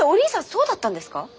そうだったんですか？